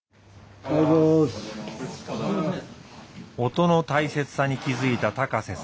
音の大切さに気付いた高瀬さん。